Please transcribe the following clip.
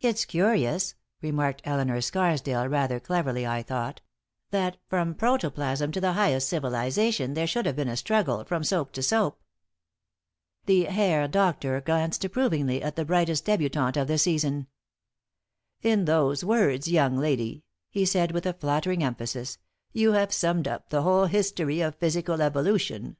"It's curious," remarked Elinor Scarsdale, rather cleverly, I thought, "that from protoplasm to the highest civilization there should have been a struggle from soap to soap." The Herr Doctor glanced approvingly at the brightest débutante of the season. "In those words, young lady," he said, with flattering emphasis, "you have summed up the whole history of physical evolution.